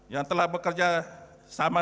yang telah bekerja sama